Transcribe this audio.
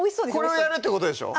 これをやるってことでしょ？